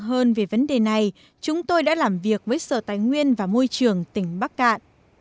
với vấn đề này chúng tôi đã làm việc với sở tài nguyên và môi trường tỉnh bắc cạn